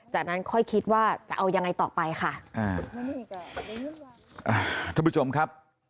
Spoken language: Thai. จากนั้นค่อยคิดว่าจะเอายังไงต่อไปค่ะ